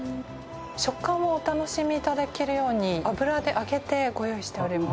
食感をお楽しみいただけるように油で揚げてご用意しております。